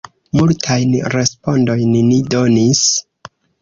Multajn respondojn ni donis.